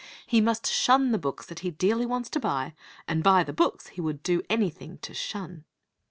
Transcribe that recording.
He must shun the books that he dearly wants to buy, and buy the books he would do anything to shun.